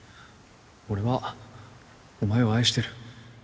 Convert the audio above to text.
俺はお前を愛してる